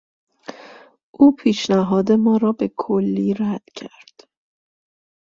او پیشنهاد ما را به کلی رد کرد.